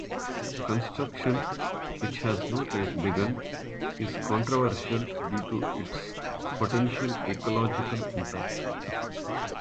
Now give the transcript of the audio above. Construction, which has not yet begun, is controversial due to its potential ecological impact.